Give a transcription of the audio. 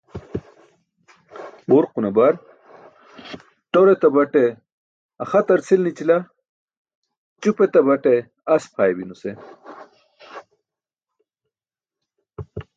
Ġurqune bar "ṭor etabaṭe axtar cʰil nićila, ćup etabaṭe as pʰaaybi nuse.